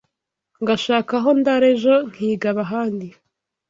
Ngashaka aho ndara Ejo nkigaba ahandi